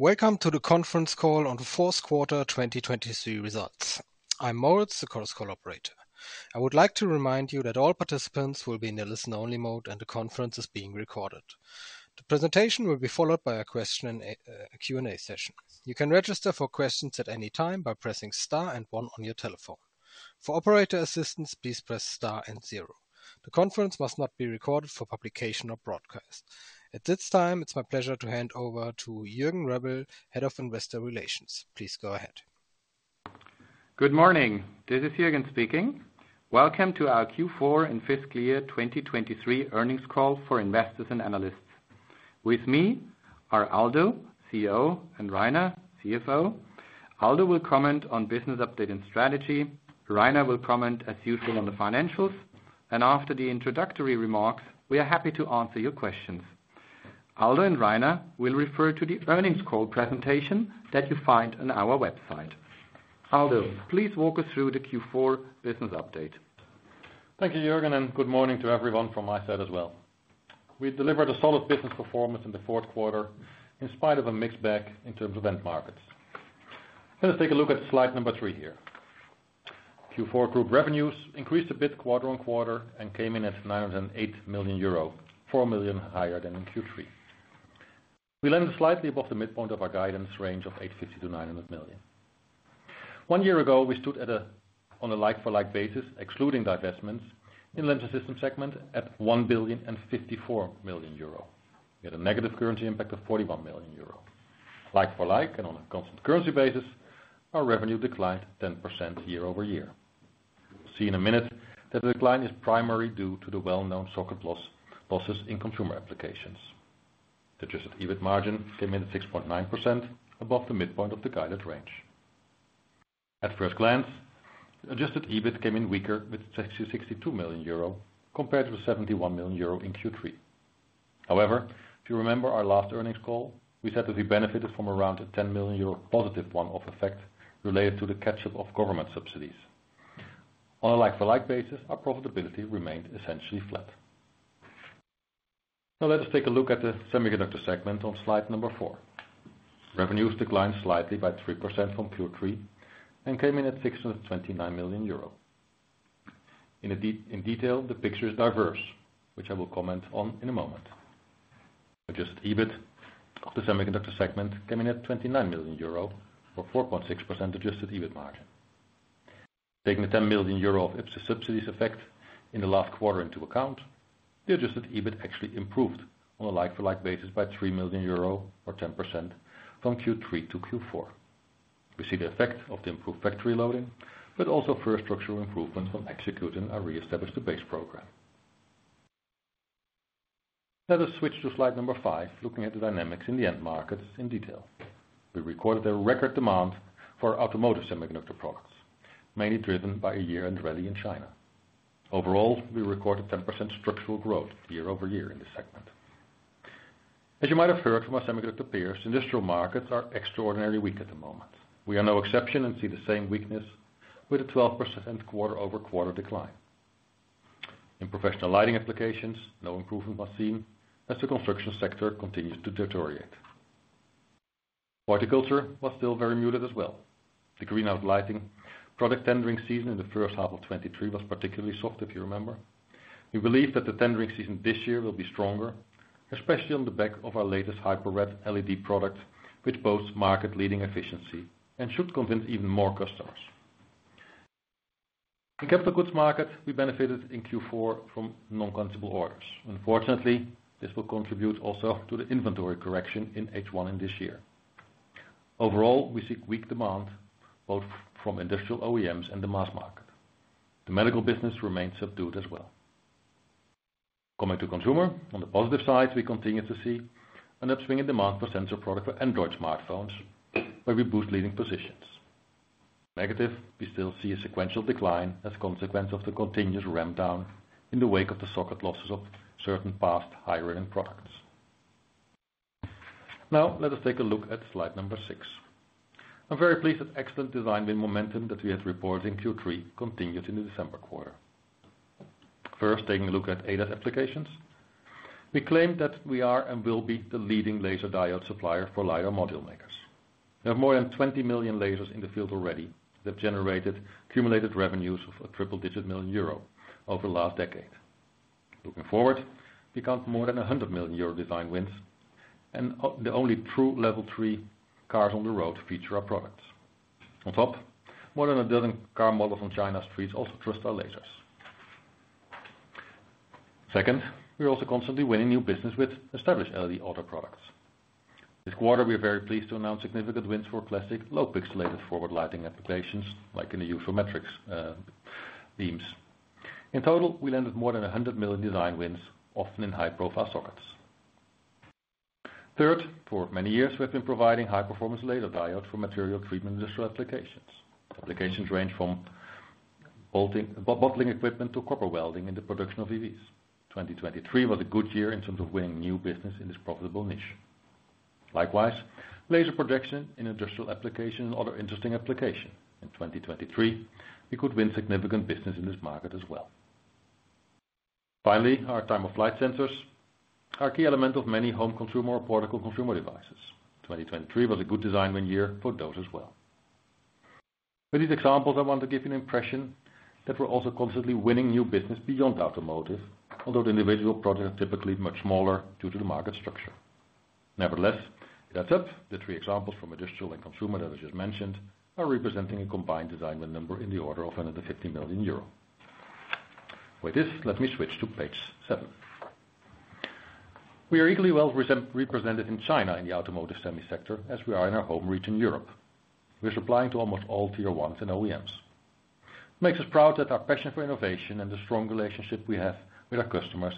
Welcome to the conference call on the fourth quarter 2023 results. I'm Moritz, the conference operator. I would like to remind you that all participants will be in the listen-only mode and the conference is being recorded. The presentation will be followed by a question and a Q&A session. You can register for questions at any time by pressing Star and one on your telephone. For operator assistance, please press Star and zero. The conference must not be recorded for publication or broadcast. At this time, it's my pleasure to hand over to Jürgen Rebel, Head of Investor Relations. Please go ahead. Good morning. This is Jürgen speaking. Welcome to our Q4 and fiscal year 2023 earnings call for investors and analysts. With me are Aldo, CEO, and Rainer, CFO. Aldo will comment on business update and strategy. Rainer will comment, as usual, on the financials. After the introductory remarks, we are happy to answer your questions. Aldo and Rainer will refer to the earnings call presentation that you find on our website. Aldo, please walk us through the Q4 business update. Thank you, Jürgen, and good morning to everyone from my side as well. We delivered a solid business performance in the fourth quarter in spite of a mixed bag in terms of end markets. Let us take a look at slide Number 3 here. Q4 group revenues increased a bit quarter-on-quarter and came in at 908 million euro, 4 million higher than in Q3. We landed slightly above the midpoint of our guidance range of 850 million-900 million. One year ago, we stood on a like-for-like basis, excluding divestments, in the Lamps and Systems segment at 1 billion and 54 million euro. We had a negative currency impact of 41 million euro. Like-for-like and on a constant currency basis, our revenue declined 10% year-over-year. We'll see in a minute that the decline is primarily due to the well-known socket losses in consumer applications. The adjusted EBIT margin came in at 6.9% above the midpoint of the guided range. At first glance, the adjusted EBIT came in weaker with 62 million euro compared to the 71 million euro in Q3. However, if you remember our last earnings call, we said that we benefited from around a 10 million euro positive one-off effect related to the catch-up of government subsidies. On a like-for-like basis, our profitability remained essentially flat. Now let us take a look at the Semiconductor segment on slide Number 4. Revenues declined slightly by 3% from Q3 and came in at 629 million euro. In detail, the picture is diverse, which I will comment on in a moment. The adjusted EBIT of the Semiconductor segment came in at 29 million euro or 4.6% adjusted EBIT margin. Taking the 10 million euro of IPCEI subsidies effect in the last quarter into account, the adjusted EBIT actually improved on a like-for-like basis by 3 million euro or 10% from Q3-Q4. We see the effect of the improved factory loading, but also first structural improvements on executing our Re-establish the Base program. Let us switch to slide Number 5, looking at the dynamics in the end markets in detail. We recorded a record demand for automotive semiconductor products, mainly driven by a year-end rally in China. Overall, we recorded 10% structural growth year-over-year in this segment. As you might have heard from our Semiconductor peers, industrial markets are extraordinarily weak at the moment. We are no exception and see the same weakness with a 12% quarter-over-quarter decline. In professional lighting applications, no improvement was seen as the construction sector continues to deteriorate. Horticulture was still very muted as well. The greenhouse lighting product tendering season in the first half of 2023 was particularly soft, if you remember. We believe that the tendering season this year will be stronger, especially on the back of our latest Hyper Red LED product, which boasts market-leading efficiency and should convince even more customers. In capital goods market, we benefited in Q4 from non-cancellabe orders. Unfortunately, this will contribute also to the inventory correction in H1 in this year. Overall, we seek weak demand both from industrial OEMs and the mass market. The medical business remains subdued as well. Coming to consumer, on the positive side, we continue to see an upswing in demand for sensor products for Android smartphones, where we boost leading positions. Negative, we still see a sequential decline as a consequence of the continuous rampdown in the wake of the socket losses of certain past high-revenue products. Now let us take a look at slide Number 6. I'm very pleased that excellent design-win momentum that we had reported in Q3 continued in the December quarter. First, taking a look at ADAS applications. We claim that we are and will be the leading laser diode supplier for LiDAR module makers. We have more than 20 million lasers in the field already that have generated accumulated revenues of a triple-digit million EUR over the last decade. Looking forward, we count more than 100 million euro design wins, and the only true Level 3 cars on the road feature our products. On top, more than a dozen car models on China's streets also trust our lasers. Second, we're also constantly winning new business with established LED auto products. This quarter, we are very pleased to announce significant wins for classic low-pixelated forward lighting applications, like in the use of Matrix beams. In total, we landed more than 100 million design wins, often in high-profile sockets. Third, for many years, we have been providing high-performance LiDAR diodes for material treatment industrial applications. Applications range from bottling equipment to copper welding in the production of EVs. 2023 was a good year in terms of winning new business in this profitable niche. Likewise, laser projection in industrial application and other interesting applications. In 2023, we could win significant business in this market as well. Finally, our Time-of-Flight sensors, our key element of many home consumer or portable consumer devices. 2023 was a good design-win year for those as well. With these examples, I want to give you an impression that we're also constantly winning new business beyond automotive, although the individual projects are typically much smaller due to the market structure. Nevertheless, it adds up: the three examples from industrial and consumer that I just mentioned are representing a combined design win number in the order of under 50 million euro. With this, let me switch to Page 7. We are equally well represented in China in the automotive semi-sector as we are in our home region, Europe. We're supplying to almost all Tier 1s and OEMs. It makes us proud that our passion for innovation and the strong relationship we have with our customers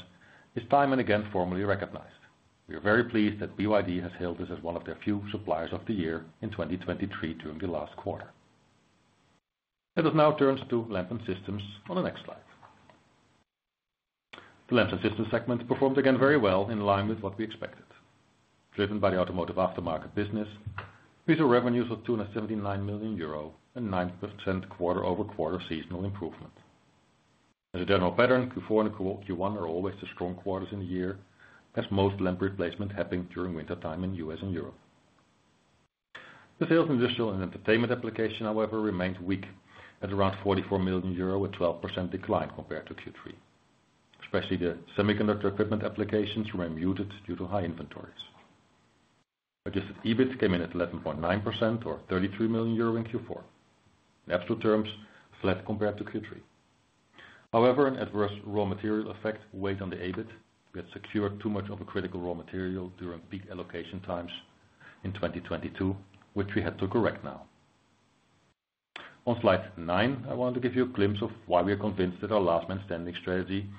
is time and again formally recognized. We are very pleased that BYD has hailed this as one of their few suppliers of the year in 2023 during the last quarter. Let us now turn to Lamps and Systems on the next slide. The Lamps and Systems segment performed again very well in line with what we expected. Driven by the automotive aftermarket business, we saw revenues of 279 million euro and 9% quarter-over-quarter seasonal improvement. As a general pattern, Q4 and Q1 are always the strong quarters in the year, as most lamp replacements happen during wintertime in the U.S. and Europe. The sales in industrial and entertainment application, however, remained weak at around 44 million euro with a 12% decline compared to Q3. Especially the semiconductor equipment applications remained muted due to high inventories. Adjusted EBIT came in at 11.9% or 33 million euro in Q4. In absolute terms, flat compared to Q3. However, an adverse raw material effect weighed on the EBIT. We had secured too much of a critical raw material during peak allocation times in 2022, which we had to correct now. On Slide 9, I wanted to give you a glimpse of why we are convinced that our last-man-standing strategy will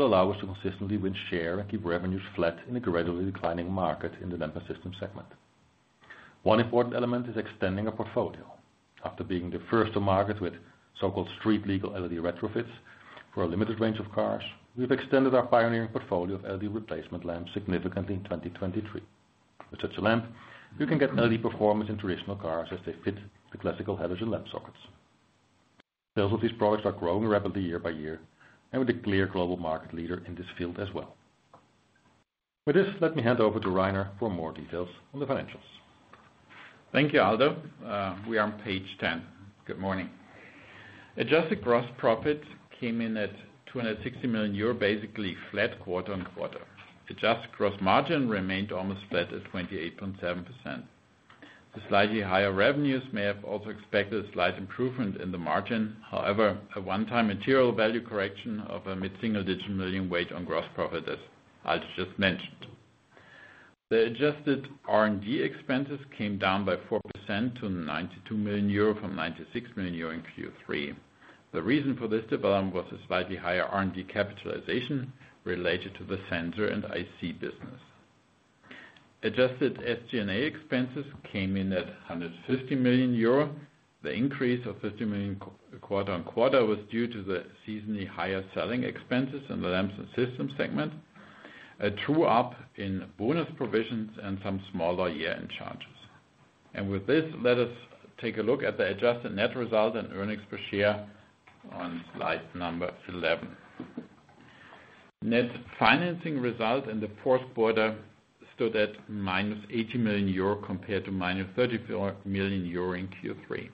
allow us to consistently win share and keep revenues flat in a gradually declining market in the Lamps and Systems segment. One important element is extending our portfolio. After being the first to market with so-called street-legal LED retrofits for a limited range of cars, we have extended our pioneering portfolio of LED replacement lamps significantly in 2023. With such a lamp, you can get LED performance in traditional cars as they fit the classical halogen lamp sockets. Sales of these products are growing rapidly year by year, and we're the clear global market leader in this field as well. With this, let me hand over to Rainer for more details on the financials. Thank you, Aldo. We are on Page 10. Good morning. Adjusted gross profit came in at 260 million euro, basically flat quarter-on-quarter. Adjusted gross margin remained almost flat at 28.7%. The slightly higher revenues may have also expected a slight improvement in the margin. However, a one-time material value correction of a mid-single-digit million weighed on gross profit as Aldo just mentioned. The adjusted R&D expenses came down by 4% to 92 million euro from 96 million euro in Q3. The reason for this development was a slightly higher R&D capitalization related to the sensor and IC business. Adjusted SG&A expenses came in at 150 million euro. The increase of 50 million quarter-on-quarter was due to the seasonally higher selling expenses in the Lamps and Systems segment, a true up in bonus provisions, and some smaller year-end charges. With this, let us take a look at the adjusted net result and earnings per share on slide Number 11. Net financing result in the fourth quarter stood at -80 million euro compared to -34 million euro in Q3.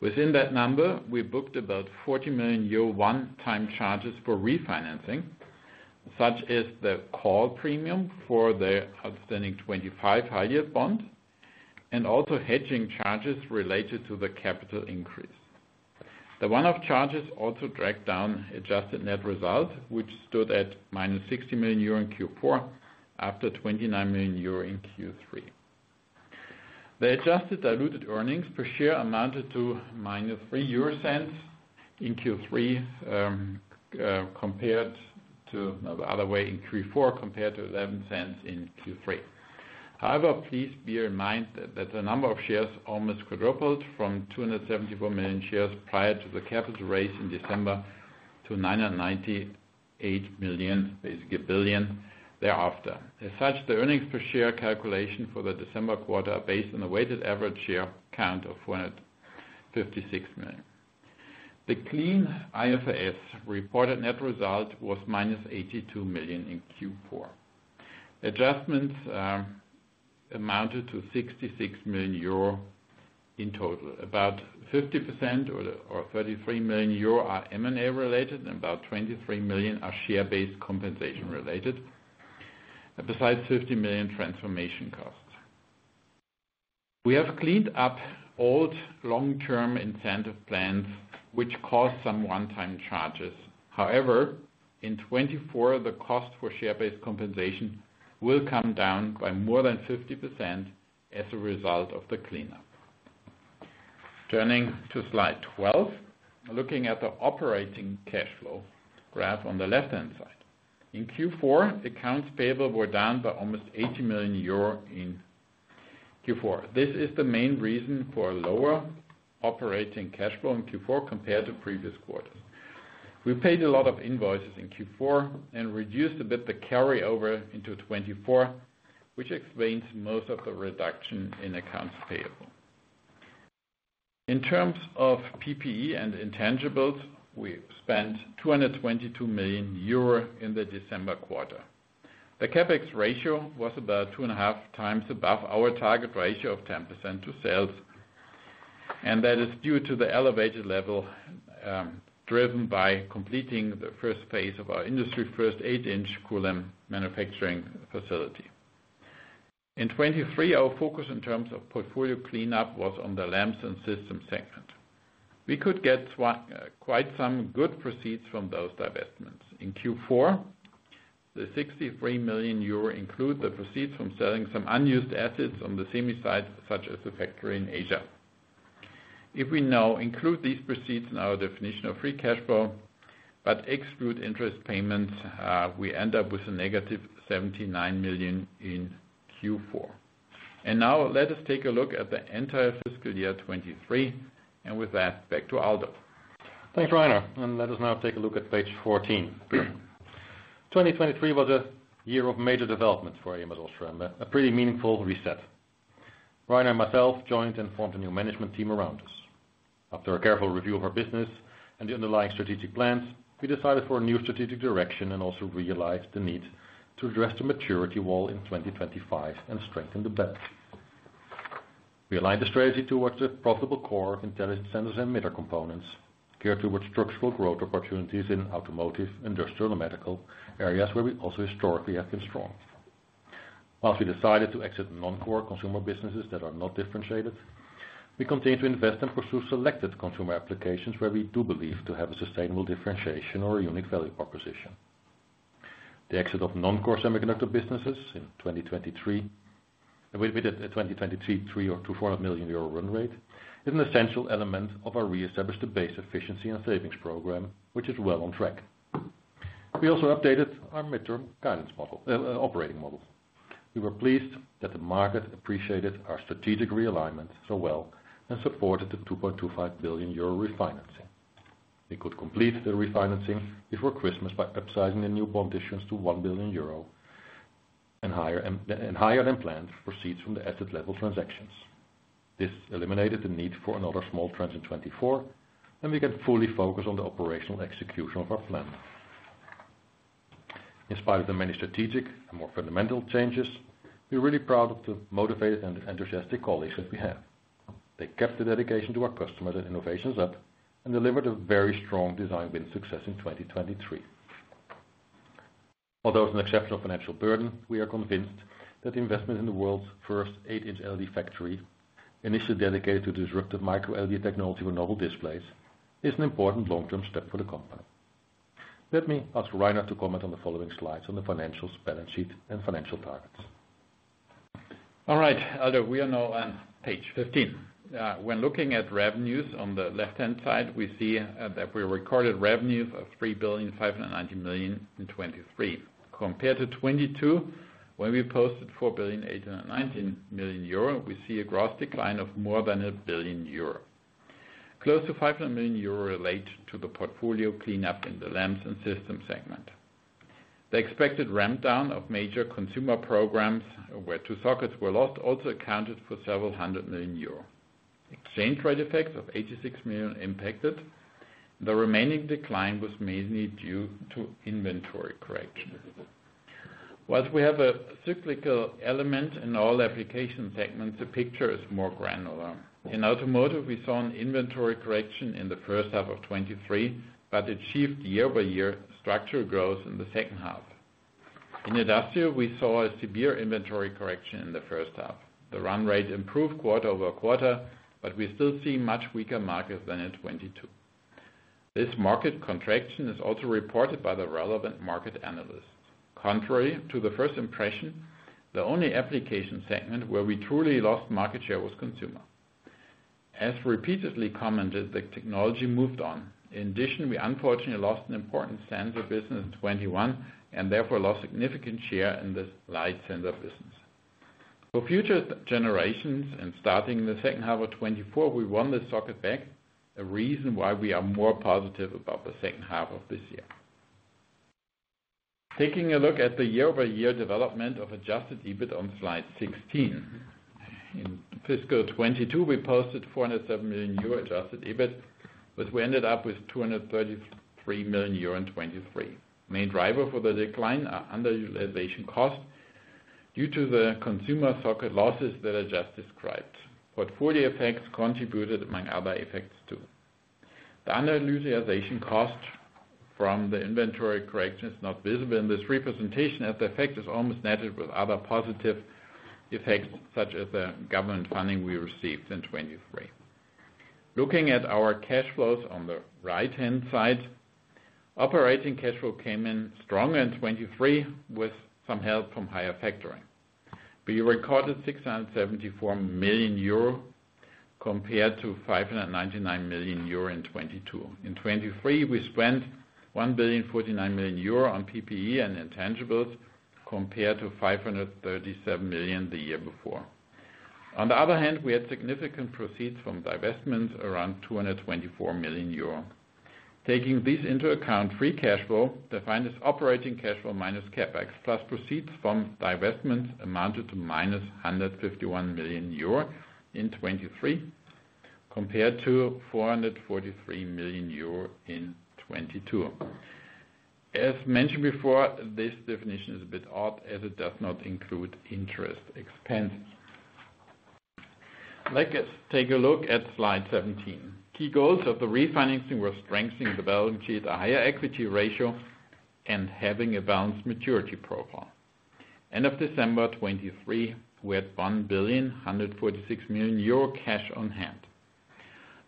Within that number, we booked about 40 million euro one-time charges for refinancing, such as the call premium for the outstanding 2025 high-yield bond, and also hedging charges related to the capital increase. The one-off charges also dragged down adjusted net result, which stood at -60 million euro in Q4 after 29 million euro in Q3. The adjusted diluted earnings per share amounted to -0.03 in Q3 compared to the other way, in Q4 compared to 0.11 in Q3. However, please bear in mind that the number of shares almost quadrupled from 274 million shares prior to the capital raise in December to 998 million, basically a billion thereafter. As such, the earnings per share calculation for the December quarter are based on a weighted average share count of 456 million. The clean IFRS reported net result was -82 million in Q4. Adjustments amounted to 66 million euro in total. About 50% or 33 million euro are M&A related, and about 23 million are share-based compensation related, besides 50 million transformation costs. We have cleaned up old long-term incentive plans, which caused some one-time charges. However, in 2024, the cost for share-based compensation will come down by more than 50% as a result of the cleanup. Turning to Slide 12, looking at the operating cash flow graph on the left-hand side. In Q4, accounts payable were down by almost 80 million euro in Q4. This is the main reason for a lower operating cash flow in Q4 compared to previous quarters. We paid a lot of invoices in Q4 and reduced a bit the carryover into 2024, which explains most of the reduction in accounts payable. In terms of PPE and intangibles, we spent 222 million euro in the December quarter. The CapEx ratio was about 2.5x above our target ratio of 10% to sales. That is due to the elevated level driven by completing the first phase of our industry-first 8-inch Kulim manufacturing facility. In 2023, our focus in terms of portfolio cleanup was on the Lamps and Systems segment. We could get quite some good proceeds from those divestments. In Q4, the 63 million euro include the proceeds from selling some unused assets on the semi-side, such as the factory in Asia. If we now include these proceeds in our definition of free cash flow but exclude interest payments, we end up with a -79 million in Q4. Now let us take a look at the entire fiscal year 2023. With that, back to Aldo. Thanks, Rainer. Let us now take a look at Page 14. 2025 was a year of major developments for ams OSRAM, a pretty meaningful reset. Rainer and myself joined and formed a new management team around us. After a careful review of our business and the underlying strategic plans, we decided for a new strategic direction and also realized the need to address the maturity wall in 2025 and strengthen the balance. We aligned the strategy towards a profitable core of intelligent sensors and meter components, geared towards structural growth opportunities in automotive, industrial, and medical areas where we also historically have been strong. While we decided to exit non-core consumer businesses that are not differentiated, we continue to invest and pursue selected consumer applications where we do believe to have a sustainable differentiation or a unique value proposition. The exit of non-core Semiconductor businesses in 2023, with a 2023 300 or 240 million euro run rate, is an essential element of our Re-establish the Base efficiency and savings program, which is well on track. We also updated our mid-term guidance model, operating model. We were pleased that the market appreciated our strategic realignment so well and supported the 2.25 billion euro refinancing. We could complete the refinancing before Christmas by upsizing the new bond issues to 1 billion euro and higher than planned proceeds from the asset-level transactions. This eliminated the need for another small tranche in 2024, and we can fully focus on the operational execution of our plan. In spite of the many strategic and more fundamental changes, we're really proud of the motivated and enthusiastic colleagues that we have. They kept the dedication to our customers and innovations up and delivered a very strong design win success in 2023. Although it's an exceptional financial burden, we are convinced that investment in the world's first 8-inch LED factory, initially dedicated to disruptive micro-LED technology for novel displays, is an important long-term step for the company. Let me ask Rainer to comment on the following slides on the financials, balance sheet, and financial targets. All right, Aldo. We are now on Page 15. When looking at revenues on the left-hand side, we see that we recorded revenues of 3.59 billion in 2023. Compared to 2022, when we posted 4.819 billion, we see a gross decline of more than 1 billion euro, close to 500 million euro related to the portfolio cleanup in the Lamps and Systems segment. The expected rampdown of major consumer programs where two sockets were lost also accounted for 700 million euro. Exchange-rate effects of 86 million impacted. The remaining decline was mainly due to inventory correction. While we have a cyclical element in all Application segments, the picture is more granular. In automotive, we saw an inventory correction in the first half of 2023 but achieved year-by-year structural growth in the second half. In industrial, we saw a severe inventory correction in the first half. The run rate improved quarter-over-quarter, but we still see much weaker markets than in 2022. This market contraction is also reported by the relevant market analysts. Contrary to the first impression, the only Application segment where we truly lost market share was consumer. As repeatedly commented, the technology moved on. In addition, we unfortunately lost an important sensor business in 2021 and therefore lost significant share in the Light Sensor business. For future generations and starting in the second half of 2024, we won this socket back, a reason why we are more positive about the second half of this year. Taking a look at the year-by-year development of adjusted EBIT on Slide 16. In Fiscal 2022, we posted 407 million euro adjusted EBIT, but we ended up with 233 million euro in 2023. Main driver for the decline are underutilization cost due to the consumer socket losses that I just described. Portfolio effects contributed, among other effects, too. The underutilization cost from the inventory correction is not visible in this representation, as the effect is almost netted with other positive effects such as the government funding we received in 2023. Looking at our cash flows on the right-hand side, operating cash flow came in stronger in 2023 with some help from higher factoring. We recorded 674 million euro compared to 599 million euro in 2022. In 2023, we spent 1,049 million euro on PPE and intangibles compared to 537 million the year before. On the other hand, we had significant proceeds from divestments around 224 million euro. Taking these into account, free cash flow defined as operating cash flow minus CAPEX plus proceeds from divestments amounted to -151 million euro in 2023 compared to 443 million euro in 2022. As mentioned before, this definition is a bit odd as it does not include interest expenses. Let's take a look at Slide 17. Key goals of the refinancing were strengthening the balance sheet, a higher equity ratio, and having a balanced maturity profile. End of December 2023, we had 1,146 million euro cash on hand.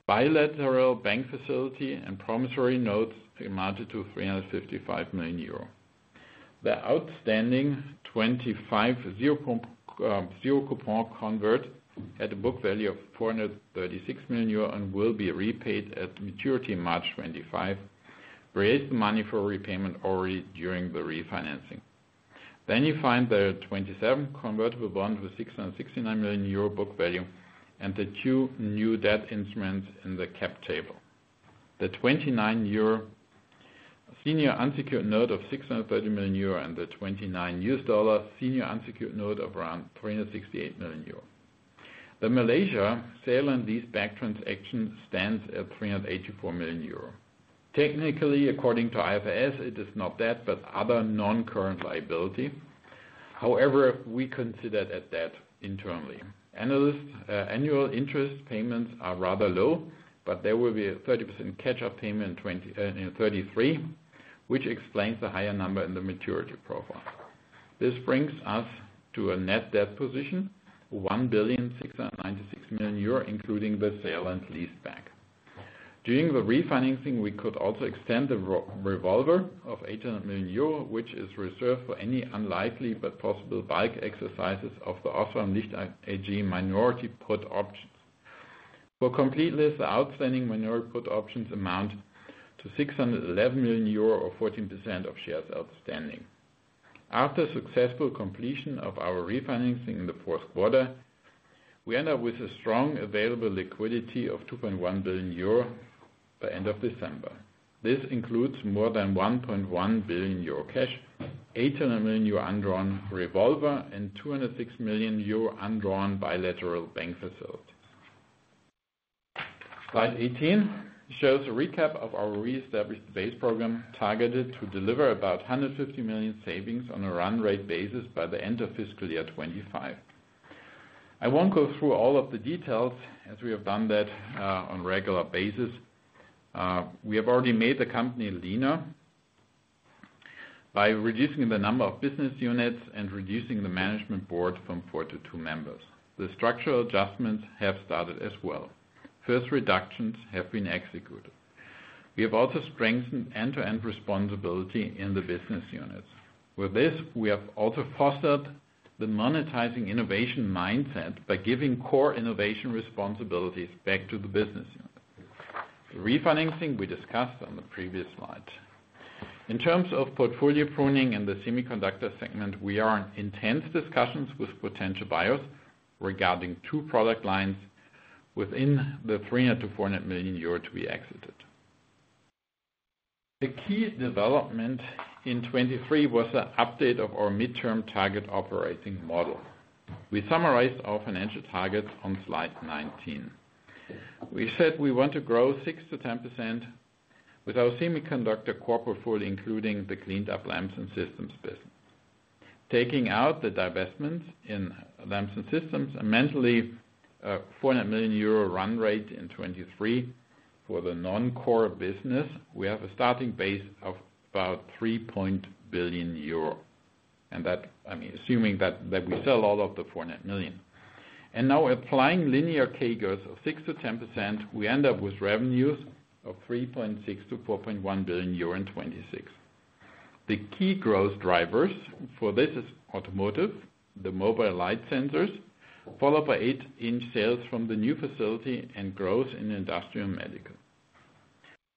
Bilateral bank facility and promissory notes amounted to 355 million euro. The outstanding 2025 zero-coupon convert had a book value of 436 million euro and will be repaid at maturity March 2025. We raised the money for repayment already during the refinancing. Then you find the 2027 convertible bond with 669 million euro book value and the two new debt instruments in the cap table: the 29 senior unsecured note of 630 million euro and the $29 senior unsecured note of around 368 million euro. The Malaysia sale and lease-back transaction stands at 384 million euro. Technically, according to IFRS, it is not debt but other non-current liability. However, we consider that debt internally. Annual interest payments are rather low, but there will be a 30% catch-up payment in 2033, which explains the higher number in the maturity profile. This brings us to a net debt position of 1,696 million euro, including the sale and lease-back. During the refinancing, we could also extend the revolver of 800 million euro, which is reserved for any unlikely but possible buy exercises of the OSRAM Licht AG minority put options. For completeness, the outstanding minority put options amount to 611 million euro or 14% of shares outstanding. After successful completion of our refinancing in the fourth quarter, we end up with a strong available liquidity of 2.1 billion euro by end of December. This includes more than 1.1 billion euro cash, 800 million euro undrawn revolver, and 206 million euro undrawn bilateral bank facilities. Slide 18 shows a recap of our reestablished base program targeted to deliver about 150 million savings on a run-rate basis by the end of fiscal year 2025. I won't go through all of the details as we have done that on a regular basis. We have already made the company leaner by reducing the number of business units and reducing the management board from four to two members. The structural adjustments have started as well. First reductions have been executed. We have also strengthened end-to-end responsibility in the business units. With this, we have also fostered the monetizing innovation mindset by giving core innovation responsibilities back to the business units. Refinancing, we discussed on the previous slide. In terms of portfolio pruning in the Semiconductor segment, we are in intense discussions with potential buyers regarding two product lines within the 300 million-400 million euro to be exited. The key development in 2023 was an update of our mid-term target operating model. We summarized our financial targets on Slide 19. We said we want to grow 6%-10% with our Semiconductor core portfolio, including the cleaned-up Lamps and Systems business. Taking out the divestments in Lamps and Systems and mentally a 400 million euro run rate in 2023 for the non-core business, we have a starting base of about 3 billion euro. And that, I mean, assuming that we sell all of the 400 million. Now applying linear CAGRs of 6%-10%, we end up with revenues of 3.6 billion-4.1 billion euro in 2026. The key growth drivers for this is automotive, the mobile light sensors, followed by 8-inch sales from the new facility and growth in industrial and medical.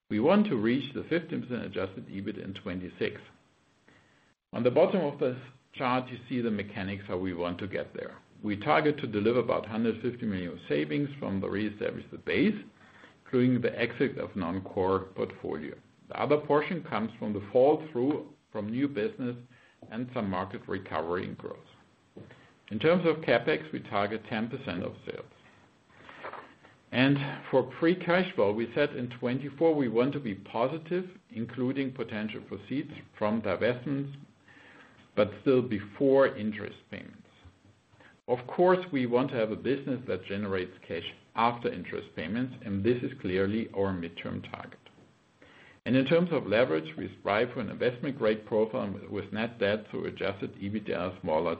We want to reach the 15% adjusted EBIT in 2026. On the bottom of the chart, you see the mechanics how we want to get there. We target to deliver about 150 million savings from the Re-establish the Base, including the exit of non-core portfolio. The other portion comes from the fall through from new business and some market recovery and growth. In terms of CapEx, we target 10% of sales. For free cash flow, we said in 2024, we want to be positive, including potential proceeds from divestments but still before interest payments. Of course, we want to have a business that generates cash after interest payments, and this is clearly our mid-term target. In terms of leverage, we strive for an investment-grade profile with net debt to adjusted EBITDA smaller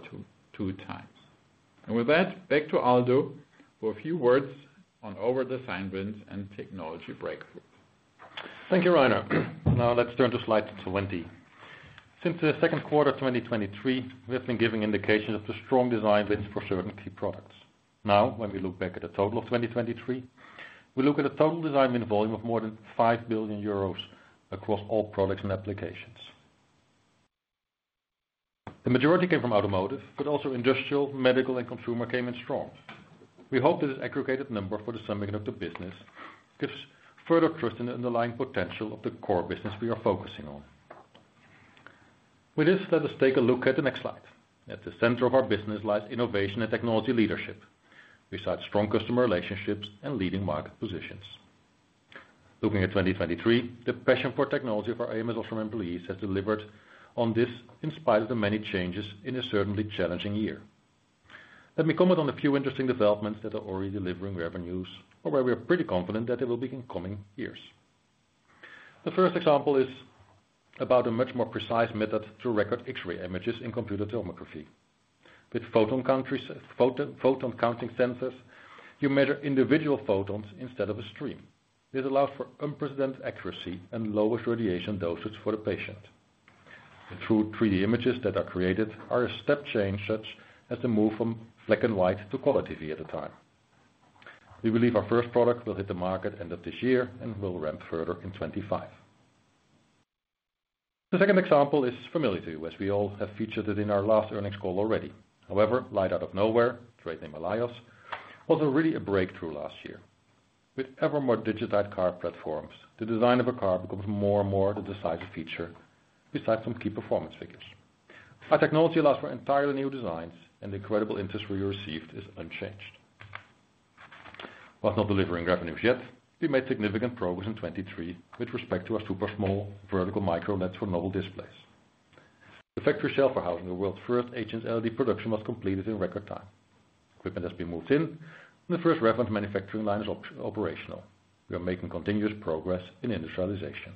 than 2x. With that, back to Aldo for a few words on our design wins and technology breakthroughs. Thank you, Rainer. Now, let's turn to Slide 20. Since the second quarter of 2023, we have been giving indications of the strong design wins for certain key products. Now, when we look back at the total of 2023, we look at a total design win volume of more than 5 billion euros across all products and applications. The majority came from automotive, but also industrial, medical, and consumer came in strong. We hope that this aggregated number for the Semiconductor business gives further trust in the underlying potential of the core business we are focusing on. With this, let us take a look at the next slide. At the center of our business lies innovation and technology leadership besides strong customer relationships and leading market positions. Looking at 2023, the passion for technology of our ams OSRAM employees has delivered on this in spite of the many changes in a certainly challenging year. Let me comment on a few interesting developments that are already delivering revenues or where we are pretty confident that there will be in coming years. The first example is about a much more precise method through record X-ray images in computed tomography. With photon counting sensors, you measure individual photons instead of a stream. This allows for unprecedented accuracy and lowest radiation dosage for the patient. The true 3D images that are created are a step change such as the move from black and white to color TV at the time. We believe our first product will hit the market end of this year and will ramp further in 2025. The second example is familiar to you as we all have featured it in our last earnings call already. However, Light Out of Nowhere, trade name ALIYOS, was really a breakthrough last year. With ever more digitized car platforms, the design of a car becomes more and more the decisive feature besides some key performance figures. Our Technology allows for entirely new designs, and the incredible interest we received is unchanged. While not delivering revenues yet, we made significant progress in 2023 with respect to our super small vertical micro-LEDs for novel displays. The factory shell for housing the world's first micro-LED production was completed in record time. Equipment has been moved in, and the first reference manufacturing line is operational. We are making continuous progress in industrialization.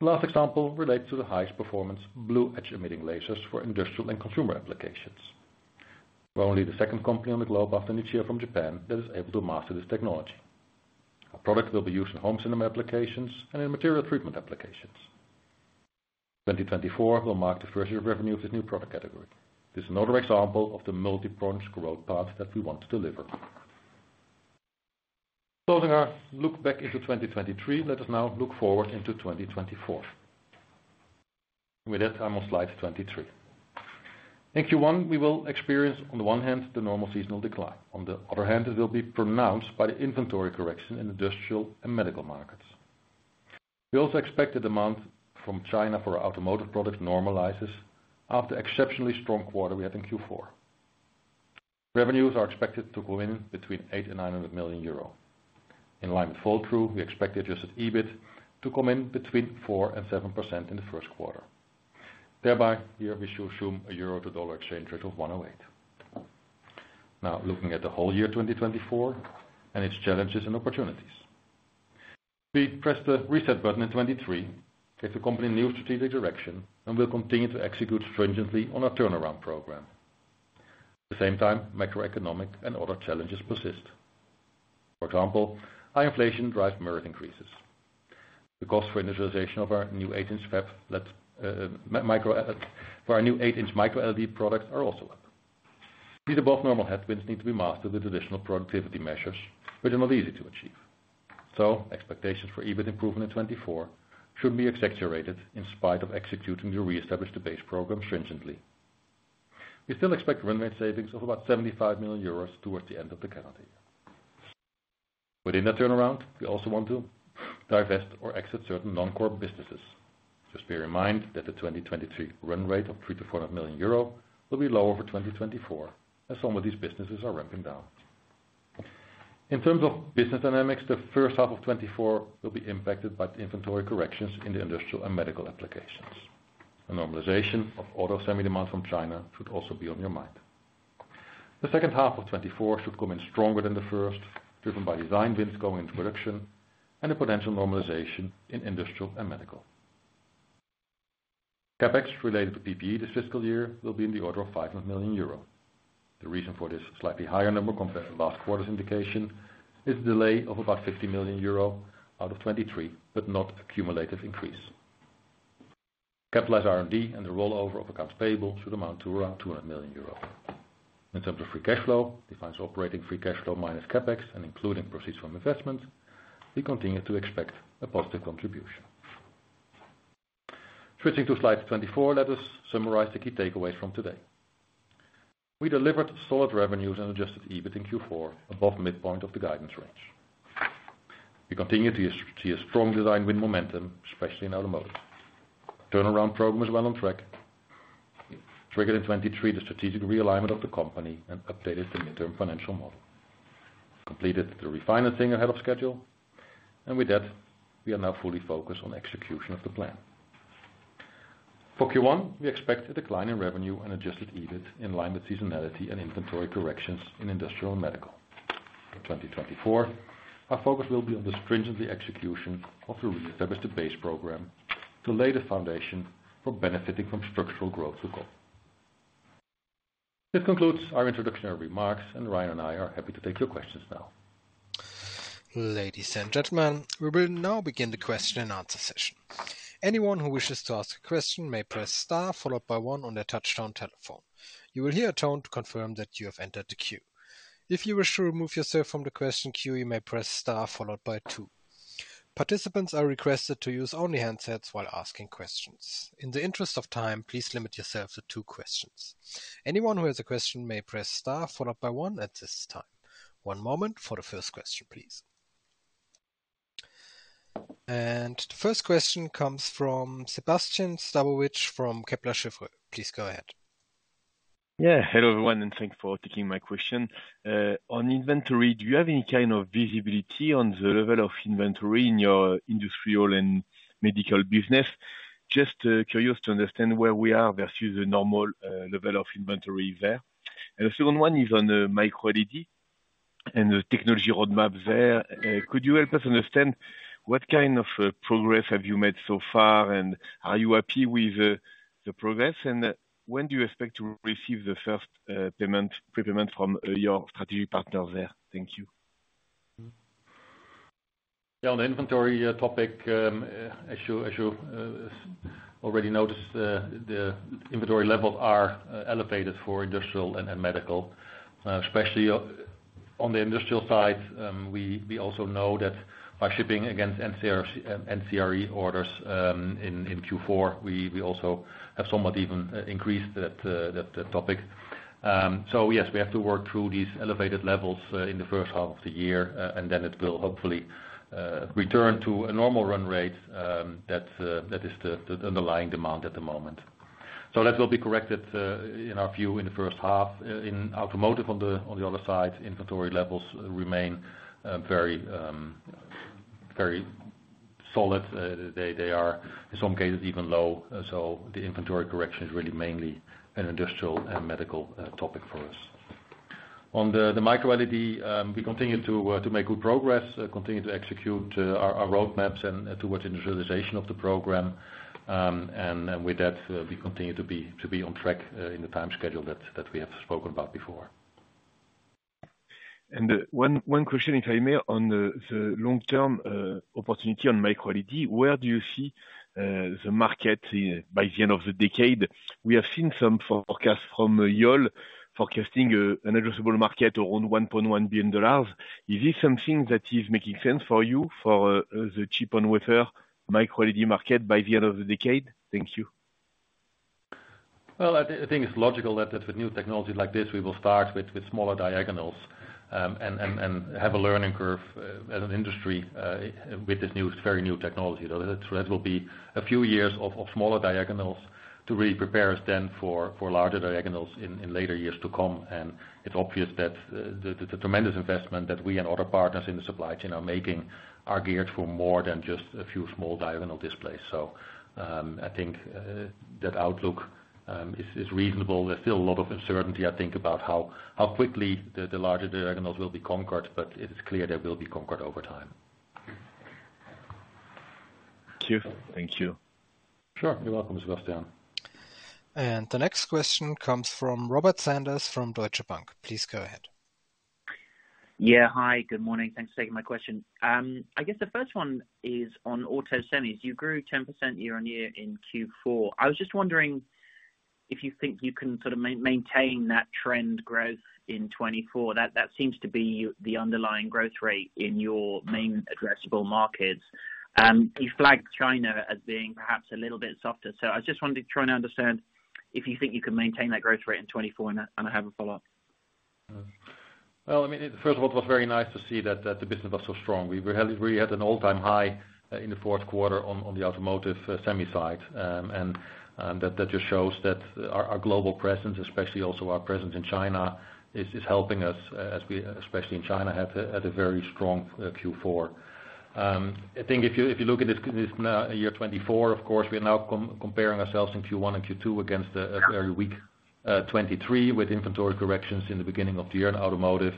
The last example relates to the highest performance blue edge-emitting lasers for Industrial and consumer applications. We're only the second company on the globe after Nichia from Japan that is able to master this technology. Our product will be used in home cinema applications and in material treatment applications. 2024 will mark the first year of revenue of this new product category. This is another example of the multi-pronged growth path that we want to deliver. Closing our look back into 2023, let us now look forward into 2024. With that, I'm on Slide 23. In Q1, we will experience, on the one hand, the normal seasonal decline. On the other hand, it will be pronounced by the inventory correction in industrial and medical markets. We also expect the demand from China for automotive products to normalize after the exceptionally strong quarter we had in Q4. Revenues are expected to come in between 800 million and 900 million euro. In line with fall through, we expect the adjusted EBIT to come in between 4% and 7% in the first quarter. Thereby, here, we should assume a euro to dollar exchange rate of 1.08. Now, looking at the whole year 2024 and its challenges and opportunities, we press the reset button in 2023, give the company new strategic direction, and will continue to execute stringently on our turnaround program. At the same time, macroeconomic and other challenges persist. For example, high inflation drives merit increases. The costs for initialization of our new 8-inch fab micro for our new 8-inch micro-LED products are also up. These above-normal headwinds need to be mastered with additional productivity measures, which are not easy to achieve. So expectations for EBIT improvement in 2024 shouldn't be exaggerated in spite of executing the Re-establish the Base program stringently. We still expect run-rate savings of about 75 million euros towards the end of the calendar year. Within that turnaround, we also want to divest or exit certain non-core businesses. Just bear in mind that the 2023 run rate of 300 million-400 million euro will be lower for 2024 as some of these businesses are ramping down. In terms of business dynamics, the first half of 2024 will be impacted by inventory corrections in the Industrial and Medical Applications. A normalization of auto semi-demand from China should also be on your mind. The second half of 2024 should come in stronger than the first, driven by design wins going into production and the potential normalization in industrial and medical. CAPEX related to PPE this fiscal year will be in the order of 500 million euro. The reason for this slightly higher number compared to last quarter's indication is the delay of about 50 million euro out of 2023 but not accumulative increase. Capitalized R&D and the rollover of accounts payable should amount to around 200 million euros. In terms of free cash flow, defines operating free cash flow minus CapEx and including proceeds from investments, we continue to expect a positive contribution. Switching to Slide 24, let us summarize the key takeaways from today. We delivered solid revenues and adjusted EBIT in Q4 above midpoint of the guidance range. We continue to see a strong design win momentum, especially in automotive. Our turnaround program is well on track. Triggered in 2023, the strategic realignment of the company and updated the mid-term financial model. Completed the refinancing ahead of schedule. With that, we are now fully focused on execution of the plan. For Q1, we expect a decline in revenue and Adjusted EBIT in line with seasonality and inventory corrections in industrial and medical. For 2024, our focus will be on the stringent execution of the Re-establish the Base program to lay the foundation for benefiting from structural growth to come. This concludes our introductory remarks, and Rainer and I are happy to take your questions now. Ladies and gentlemen, we will now begin the question-and-answer session. Anyone who wishes to ask a question may press Star followed by one on their touchtone telephone. You will hear a tone to confirm that you have entered the queue. If you wish to remove yourself from the question queue, you may press Star followed by two. Participants are requested to use only handsets while asking questions. In the interest of time, please limit yourself to two questions. Anyone who has a question may press Star followed by one at this time. One moment for the first question, please. And the first question comes from Sébastien Sztabowicz from Kepler Cheuvreux. Please go ahead. Yeah. Hello everyone, and thanks for taking my question. On inventory, do you have any kind of visibility on the level of inventory in your industrial and medical business? Just curious to understand where we are versus the normal level of inventory there. And the second one is on micro LED and the technology roadmap there. Could you help us understand what kind of progress have you made so far, and are you happy with the progress? And when do you expect to receive the first prepayment from your strategy partner there? Thank you. Yeah. On the inventory topic, as you already noticed, the inventory levels are elevated for industrial and medical. Especially on the industrial side, we also know that by shipping against NCNR orders in Q4, we also have somewhat even increased that topic. So yes, we have to work through these elevated levels in the first half of the year, and then it will hopefully return to a normal run rate that is the underlying demand at the moment. So that will be corrected in our view in the first half. In automotive, on the other side, inventory levels remain very solid. They are, in some cases, even low. So the inventory correction is really mainly an industrial and medical topic for us. On the micro-LED, we continue to make good progress, continue to execute our roadmaps towards industrialization of the program. With that, we continue to be on track in the time schedule that we have spoken about before. One question, if I may, on the long-term opportunity on micro-LED, where do you see the market by the end of the decade? We have seen some forecasts from Yole forecasting an addressable market around $1.1 billion. Is this something that is making sense for you for the chip and wafer micro-LED market by the end of the decade? Thank you. Well, I think it's logical that with new technology like this, we will start with smaller diagonals and have a learning curve as an industry with this very new technology. So that will be a few years of smaller diagonals to really prepare us then for larger diagonals in later years to come. And it's obvious that the tremendous investment that we and other partners in the supply chain are making are geared for more than just a few small diagonal displays. So I think that outlook is reasonable. There's still a lot of uncertainty, I think, about how quickly the larger diagonals will be conquered, but it is clear they will be conquered over time. Thank you. Thank you. Sure. You're welcome, Sébastian. The next question comes from Robert Sanders from Deutsche Bank. Please go ahead. Yeah. Hi. Good morning. Thanks for taking my question. I guess the first one is on Auto Semis. You grew 10% year-on-year in Q4. I was just wondering if you think you can sort of maintain that trend growth in 2024. That seems to be the underlying growth rate in your main addressable markets. You flagged China as being perhaps a little bit softer. So I just wanted to try and understand if you think you can maintain that growth rate in 2024, and I have a follow-up. Well, I mean, first of all, it was very nice to see that the business was so strong. We really had an all-time high in the fourth quarter on the Automotive Semi side. And that just shows that our global presence, especially also our presence in China, is helping us, especially in China had a very strong Q4. I think if you look at this year 2024, of course, we are now comparing ourselves in Q1 and Q2 against a very weak 2023 with inventory corrections in the beginning of the year in automotive.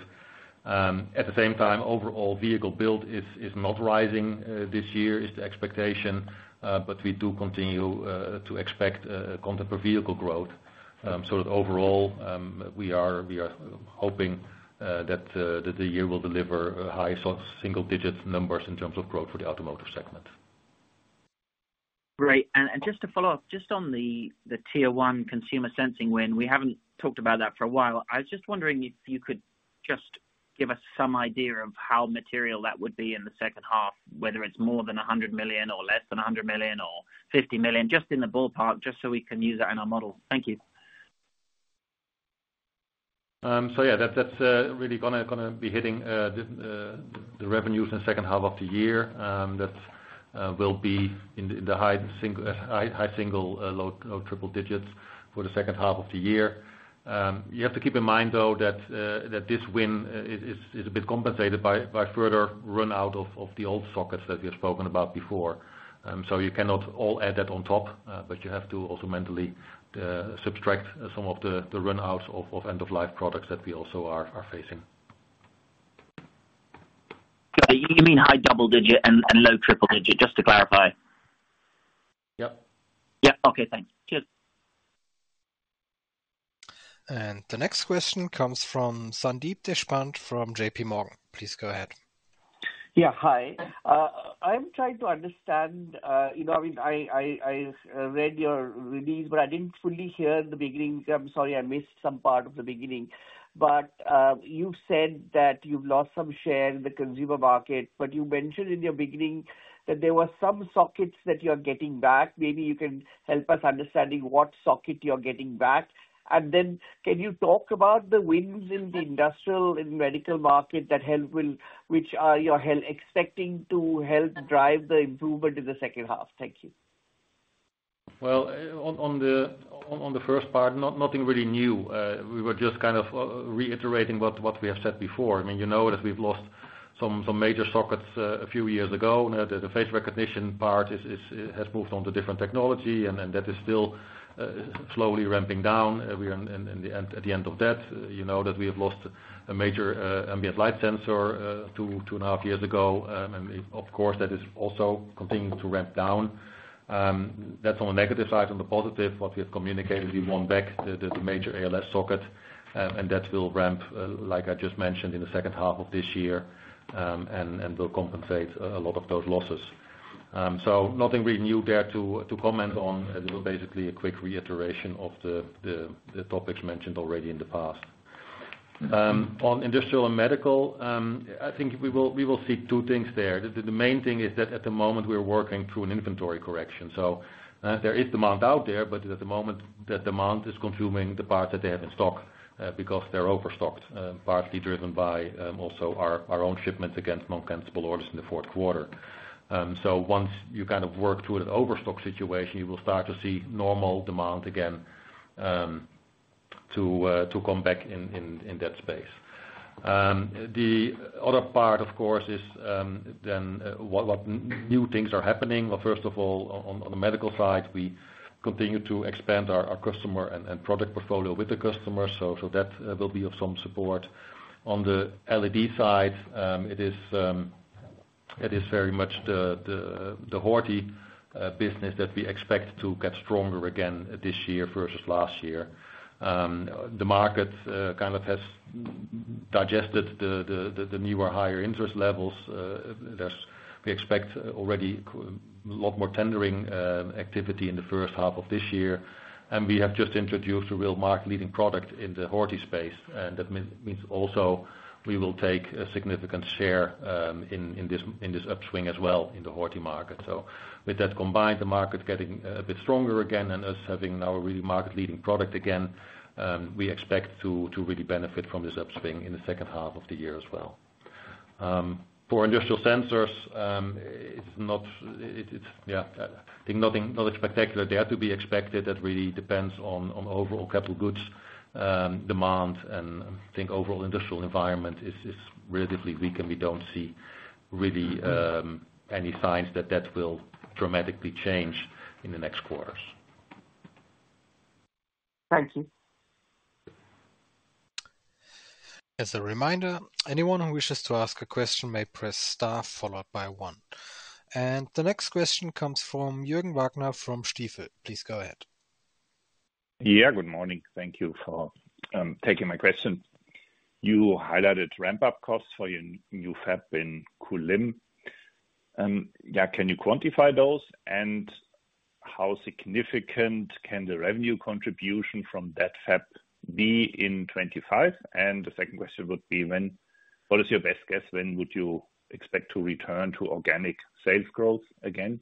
At the same time, overall vehicle build is not rising this year is the expectation, but we do continue to expect content per vehicle growth. So overall, we are hoping that the year will deliver high single-digit numbers in terms of growth for the Automotive segment. Great. And just to follow up, just on the Tier 1 consumer sensing win, we haven't talked about that for a while. I was just wondering if you could just give us some idea of how material that would be in the second half, whether it's more than 100 million or less than 100 million or 50 million, just in the ballpark, just so we can use that in our model. Thank you. So yeah, that's really going to be hitting the revenues in the second half of the year. That will be in the high single-low triple digits for the second half of the year. You have to keep in mind, though, that this win is a bit compensated by further runout of the old sockets that we have spoken about before. So you cannot all add that on top, but you have to also mentally subtract some of the runouts of end-of-life products that we also are facing. You mean high double digit and low triple digit, just to clarify? Yep. Yep. Okay. Thanks. Cheers. The next question comes from Sandeep Deshpande from JPMorgan. Please go ahead. Yeah. Hi. I'm trying to understand. I mean, I read your release, but I didn't fully hear the beginning. I'm sorry I missed some part of the beginning. But you've said that you've lost some share in the consumer market, but you mentioned in your beginning that there were some sockets that you are getting back. Maybe you can help us understanding what socket you are getting back. And then can you talk about the wins in the industrial and medical market that which you are expecting to help drive the improvement in the second half? Thank you. Well, on the first part, nothing really new. We were just kind of reiterating what we have said before. I mean, you know that we've lost some major sockets a few years ago. The face recognition part has moved on to different technology, and that is still slowly ramping down. At the end of that, you know that we have lost a major ambient light sensor two and a half years ago. And of course, that is also continuing to ramp down. That's on the negative side. On the positive, what we have communicated, we won back the major ALS socket, and that will ramp, like I just mentioned, in the second half of this year and will compensate a lot of those losses. So nothing really new there to comment on. It was basically a quick reiteration of the topics mentioned already in the past. On industrial and medical, I think we will see two things there. The main thing is that at the moment, we are working through an inventory correction. So there is demand out there, but at the moment, that demand is consuming the parts that they have in stock because they're overstocked, partly driven by also our own shipments against non-cancellable orders in the fourth quarter. So once you kind of work through that overstock situation, you will start to see normal demand again to come back in that space. The other part, of course, is then what new things are happening. Well, first of all, on the medical side, we continue to expand our customer and product portfolio with the customers, so that will be of some support. On the LED side, it is very much the Horti business that we expect to get stronger again this year versus last year. The market kind of has digested the newer higher interest levels. We expect already a lot more tendering activity in the first half of this year. And we have just introduced a real market-leading product in the Horti space. And that means also we will take a significant share in this upswing as well in the Horti market. So with that combined, the market getting a bit stronger again and us having now a really market-leading product again, we expect to really benefit from this upswing in the second half of the year as well. For Industrial Sensors, it's not yeah. I think nothing spectacular there to be expected. That really depends on overall capital goods demand. I think overall industrial environment is relatively weak, and we don't see really any signs that that will dramatically change in the next quarters. Thank you. As a reminder, anyone who wishes to ask a question may press Star followed by one. The next question comes from Jürgen Wagner from Stifel. Please go ahead. Yeah. Good morning. Thank you for taking my question. You highlighted ramp-up costs for your new fab in Kulim. Yeah. Can you quantify those? And how significant can the revenue contribution from that fab be in 2025? And the second question would be, what is your best guess when would you expect to return to organic sales growth again?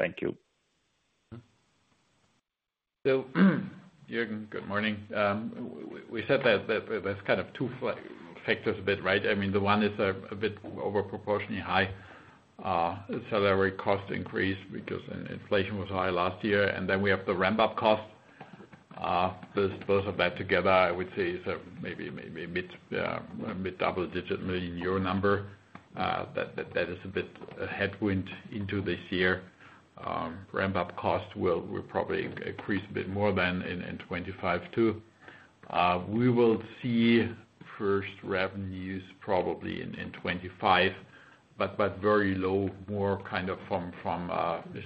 Thank you. So Jürgen, good morning. We said that there's kind of two factors a bit, right? I mean, the one is a bit overproportionately high salary cost increase because inflation was high last year. And then we have the ramp-up cost. Both of that together, I would say, is maybe a mid-double-digit million number. That is a bit a headwind into this year. Ramp-up cost will probably increase a bit more than in 2025 too. We will see first revenues probably in 2025, but very low, more kind of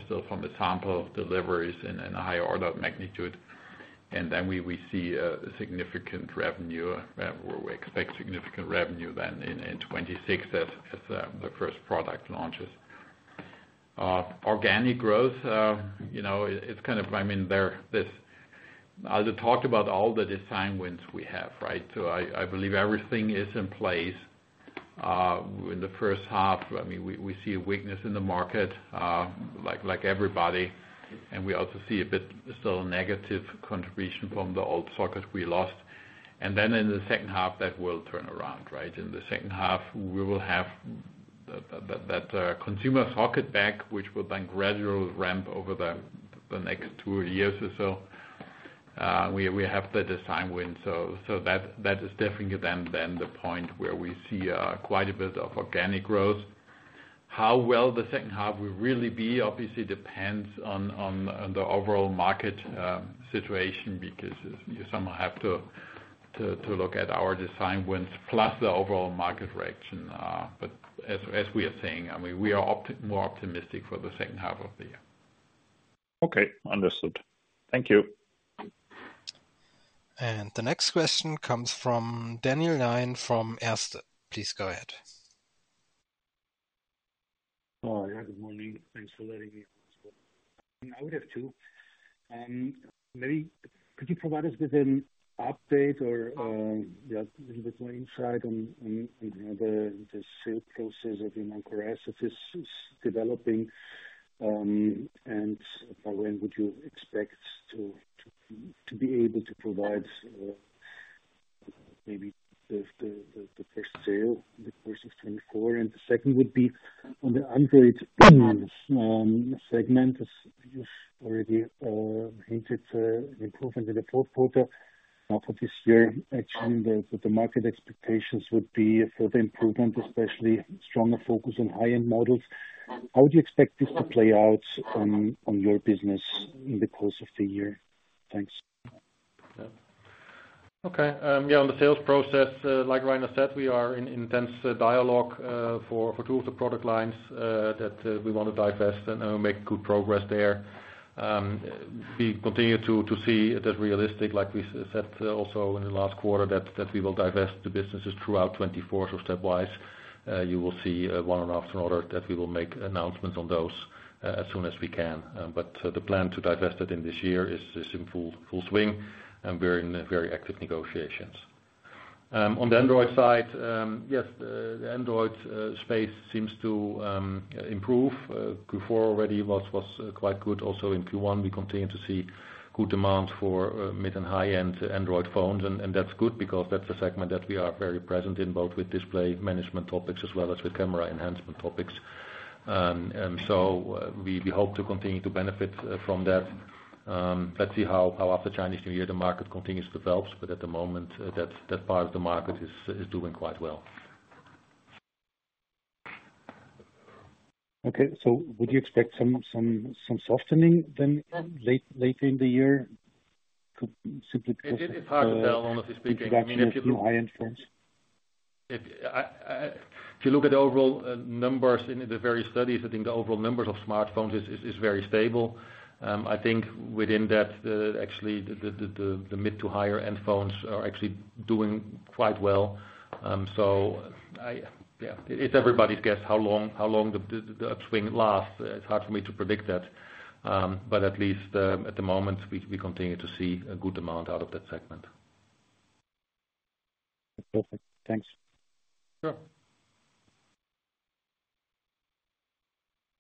still from the sample deliveries in a higher order of magnitude. And then we see significant revenue where we expect significant revenue then in 2026 as the first product launches. Organic growth, it's kind of I mean, I'll talk about all the design wins we have, right? So I believe everything is in place. In the first half, I mean, we see a weakness in the market like everybody. We also see a bit still negative contribution from the old sockets we lost. Then in the second half, that will turn around, right? In the second half, we will have that consumer socket back, which will then gradually ramp over the next two years or so. We have the design win. So that is definitely then the point where we see quite a bit of organic growth. How well the second half will really be, obviously, depends on the overall market situation because you somehow have to look at our design wins plus the overall market reaction. But as we are saying, I mean, we are more optimistic for the second half of the year. Okay. Understood. Thank you. The next question comes from Daniel Lion from Erste. Please go ahead. Hi. Good morning. Thanks for letting me answer. I would have two. Maybe could you provide us with an update or a little bit more insight on the sale process of the non-core assets that is developing? And by when would you expect to be able to provide maybe the first sale in the course of 2024? And the second would be on the Android segment. You've already hinted at an improvement in the fourth quarter. Now for this year, actually, the market expectations would be a further improvement, especially stronger focus on high-end models. How do you expect this to play out on your business in the course of the year? Thanks. Yeah. Okay. Yeah. On the sales process, like Rainer said, we are in intense dialogue for two of the product lines that we want to divest and make good progress there. We continue to see it as realistic, like we said also in the last quarter, that we will divest the businesses throughout 2024 so stepwise. You will see one and after another that we will make announcements on those as soon as we can. But the plan to divest it in this year is in full swing, and we're in very active negotiations. On the Android side, yes, the Android space seems to improve. Q4 already was quite good. Also in Q1, we continue to see good demand for mid and high-end Android phones. And that's good because that's a segment that we are very present in both with display management topics as well as with camera enhancement topics. We hope to continue to benefit from that. Let's see how after Chinese New Year the market continues to develop. At the moment, that part of the market is doing quite well. Okay. Would you expect some softening then later in the year simply because of? It's hard to tell. I don't know if he's speaking. I mean, if you. New high-end phones? If you look at the overall numbers in the various studies, I think the overall numbers of smartphones is very stable. I think within that, actually, the mid to higher-end phones are actually doing quite well. So yeah, it's everybody's guess how long the upswing lasts. It's hard for me to predict that. But at least at the moment, we continue to see a good demand out of that segment. Perfect. Thanks.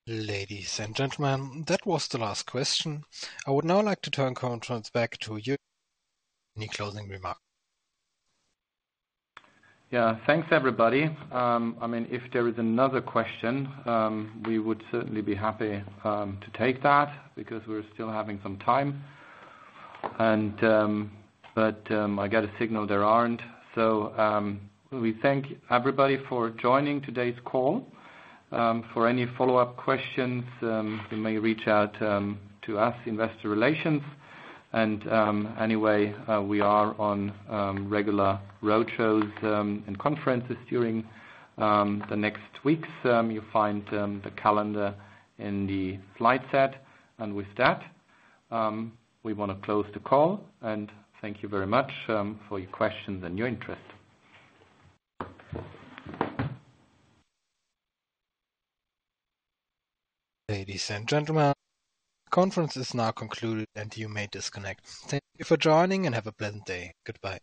Sure. Ladies and gentlemen, that was the last question. I would now like to turn the conference back to you. Any closing remarks? Yeah. Thanks, everybody. I mean, if there is another question, we would certainly be happy to take that because we're still having some time. But I got a signal there aren't. So we thank everybody for joining today's call. For any follow-up questions, you may reach out to us, Investor Relations. And anyway, we are on regular roadshows and conferences during the next weeks. You find the calendar in the slide set. And with that, we want to close the call. And thank you very much for your questions and your interest. Ladies and gentlemen, conference is now concluded, and you may disconnect. Thank you for joining and have a pleasant day. Goodbye.